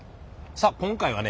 さあ今回はね